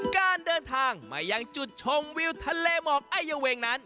การเดินทางมายังจุดชมวิวทะเลหมอกไอเยาเวงนั้น